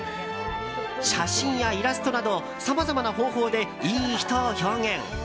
写真やイラストなどさまざまな方法で、いい人を表現。